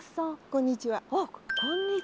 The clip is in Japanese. こんにちは。